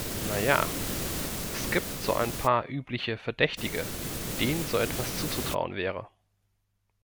Na ja, es gibt so ein paar übliche Verdächtige, denen so etwas zuzutrauen wäre.